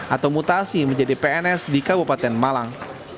atau mutasi menjadi pns di kabupaten malang